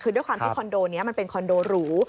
คือด้วยความที่คอนโดนี้มันเป็นคอนโดหรู